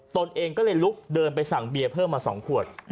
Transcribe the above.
ตนเองก็เลยลุกเดินไปสั่งเบียร์เพิ่มมา๒ขวด